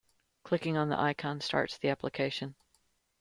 Clicking on the icon starts the application.